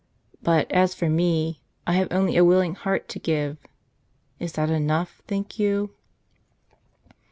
But as for me, I have only a willing heart to give. Is that enough, think you